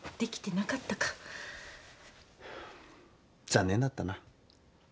残念だったな。